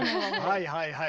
はいはいはい。